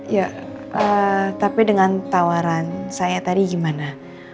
ya tapi dengan tawaran saya tadi gimana